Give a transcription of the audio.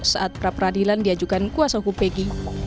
saat praperadilan diajukan kuasa hukum peggy